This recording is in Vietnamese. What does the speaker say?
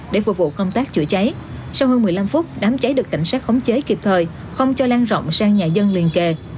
để phục vụ công tác chữa cháy sau hơn một mươi năm phút đám cháy được cảnh sát khống chế kịp thời không cho lan rộng sang nhà dân liền kề